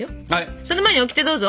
その前にオキテどうぞ！